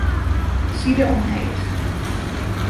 Side omheech.